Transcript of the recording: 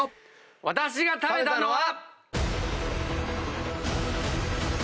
私が食べたのは。